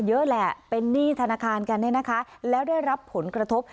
เยอะแหละเป็นหนี้ธนาคารกันเนี่ยนะคะแล้วได้รับผลกระทบ